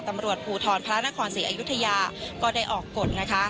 ตำรวจภูทรพระนครศรีอยุธยาก็ได้ออกกฎนะคะ